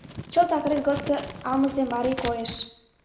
Чылт акрет годсо амызе марий койыш.